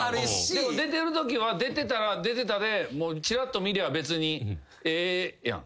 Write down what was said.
でも出てるときは出てたら出てたでちらっと見りゃ別にええやん。